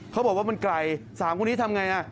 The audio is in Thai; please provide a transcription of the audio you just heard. เขาบอกว่ามันไกล๓คนนี้ทำไง